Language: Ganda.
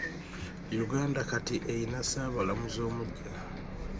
Uganda kati eyina ssaabalamuzi omugya.